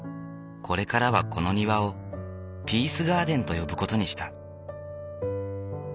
これからはこの庭をピースガーデンと呼ぶ事にした。